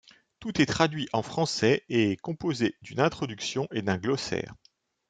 Le tout est traduit en français et composé d'une introduction et d'un glossaire.